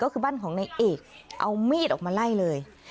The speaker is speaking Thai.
ก็คือบ้านของนายเอกเอามีดออกมาไล่เลย